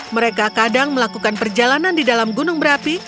mereka kadang melakukan perjalanan di dalam gunung berapi